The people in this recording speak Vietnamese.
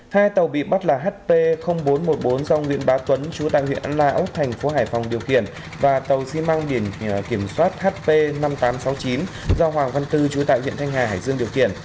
hai tàu bị bắt là hp bốn trăm một mươi bốn do nguyễn bá tuấn chú tài huyện lạ úc thành phố hải phòng điều kiện và tàu xi măng biển kiểm soát hp năm nghìn tám trăm sáu mươi chín do hoàng văn tư chú tài huyện thanh hà hải dương điều kiện